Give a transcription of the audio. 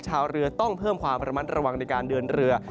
ชาวเรือต้องเพิ่มความระมัดระวังในการเดินเรือ